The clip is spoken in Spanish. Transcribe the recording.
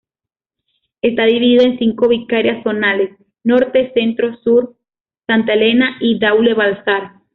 Está dividida en cinco vicarías zonales: Norte, Centro, Sur, Santa Elena y Daule-Balzar.